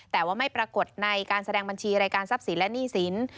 แต่ว่าไม่ปรากฏในการแสดงบัญชีรายการทรัพย์สินและหนี้สิน